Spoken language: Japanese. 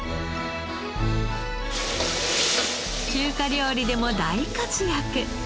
中華料理でも大活躍。